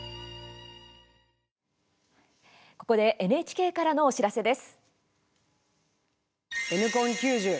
ここでＮＨＫからのお知らせです。